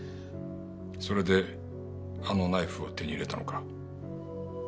それであのナイフを手に入れたのか？